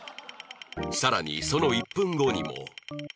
更にその１分後にも